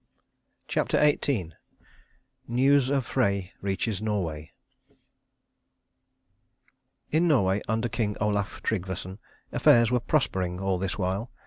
CHAPTER XVIII NEWS OF FREY REACHES NORWAY In Norway under King Olaf Trygvasson affairs were prospering all this while.